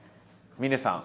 峰さん。